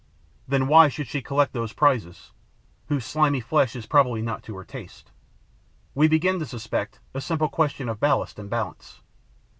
Then why should she collect those prizes, whose slimy flesh is probably not to her taste? We begin to suspect a simple question of ballast and balance.